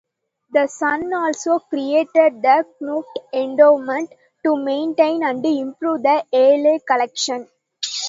The son also created the "Kohut Endowment" to maintain and improve the Yale collection.